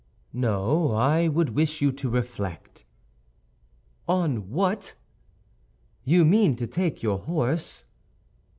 "No, I would wish you to reflect." "On what?" "You mean to take your horse?"